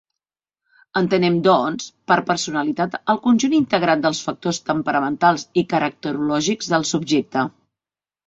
Entenem, doncs, per personalitat el conjunt integrat dels factors temperamentals i caracterològics del subjecte.